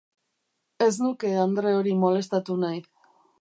Ez nuke andre hori molestatu nahi.